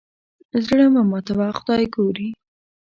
زړه مه ماتوه خدای ګوري.